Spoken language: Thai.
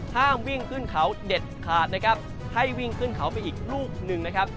ห้ามวิ่งขึ้นเขาเด็ดขาดนะครับให้วิ่งขึ้นเขาไปอีกลูกหนึ่งนะครับ